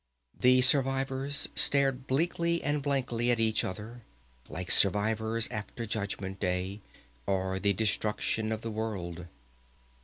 The survivors stared bleakly and blankly at each other, like survivors after Judgment Day or the destruction of the world.